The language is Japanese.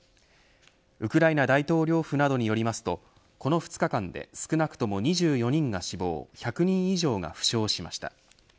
ウクライナ大統領府などによりますとこの２日間で少なくとも２４人が死亡１００人以上が負傷しました。